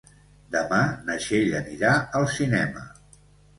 Demà na Txell anirà al cinema.